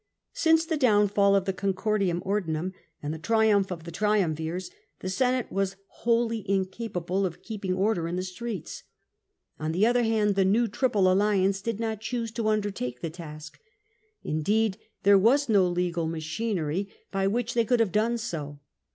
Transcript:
Since the downfall of the Ooiicordia Onlinunh and the triumph of the triiimvirs, the Senate was wholly incapable of keeping order in the streets. On the other hand, the new triple alliance did not choose to undertake the task ; indeed, there was no legal machinery by which CLODIUS THWARTS POMPET 267 they could have done so.